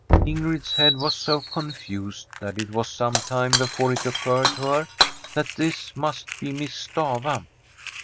Ingrid's head was so confused, that it was some time before it occurred to her that this must be Miss Stafva.